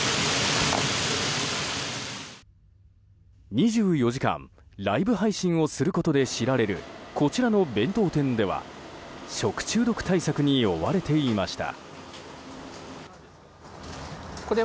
２４時間ライブ配信をすることで知られるこちらの弁当店では食中毒対策に追われていました。